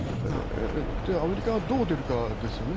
アメリカがどう出るかですよね。